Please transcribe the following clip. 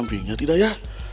sampingnya tidak ya